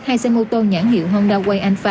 hai xe mô tô nhãn hiệu honda way alpha